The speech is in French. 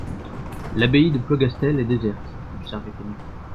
L'abbaye de Plogastel est déserte, fit observer Keinec.